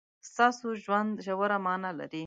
ستاسو ژوند ژوره مانا لري.